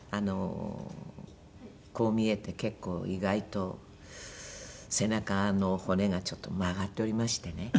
こう見えて結構意外と背中の骨がちょっと曲がっておりましてね。